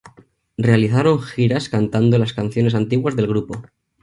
Realizaron giras cantando las canciones antiguas del grupo.